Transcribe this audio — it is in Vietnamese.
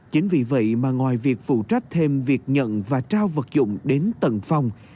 chính vì vậy mà ngoài việc phụ trách thêm việc nhận và trao vật dụng đến tầng phòng